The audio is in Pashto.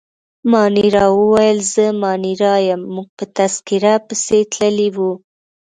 مانیرا وویل: زه مانیرا یم، موږ په تذکیره پسې تللي وو.